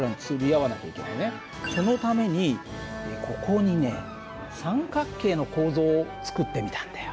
そのためにここにね三角形の構造を作ってみたんだよ。